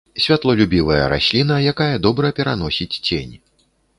Святлолюбівая расліна, якая добра пераносіць цень.